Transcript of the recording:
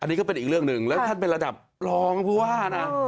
อันนี้ก็เป็นอีกเรื่องหนึ่งแล้วท่านเป็นระดับรองผู้ว่านะ